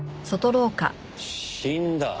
死んだ？